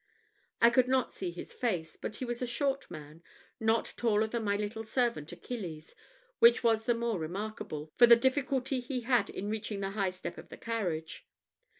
I could not see his face; but he was a short man, not taller than my little servant Achilles, which was the more remarkable, from the difficulty he had in reaching the high step of the carriage.